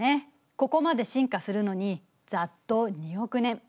ここまで進化するのにざっと２億年。